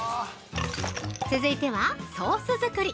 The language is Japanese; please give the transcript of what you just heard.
◆続いてはソース作り。